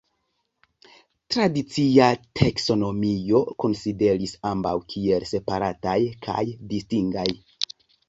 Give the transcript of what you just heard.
Tradicia taksonomio konsideris ambaŭ kiel separataj kaj distingaj.